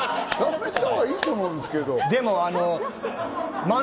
やめたほうがいいと思いますけど。